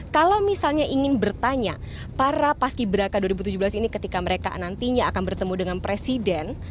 kalau misalnya ingin bertanya para paski beraka dua ribu tujuh belas ini ketika mereka nantinya akan bertemu dengan presiden